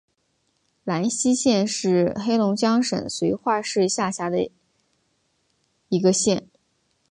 兰西县是黑龙江省绥化市下辖的一个县。